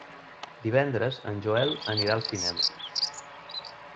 Divendres en Joel anirà al cinema.